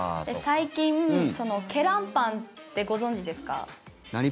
最近ケランパンってご存じですか？